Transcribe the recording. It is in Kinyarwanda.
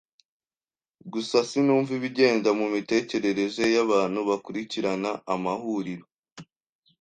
Gusa sinumva ibigenda mumitekerereze yabantu bakurikirana amahuriro.